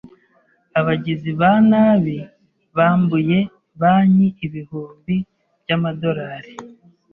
Abagizi ba nabi bambuye banki ibihumbi by'amadolari.